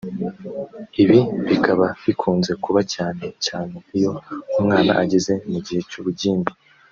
ibi bikaba bikunze kuba cyane cyane iyo umwana ageze mu gihe cy’ ubugimbi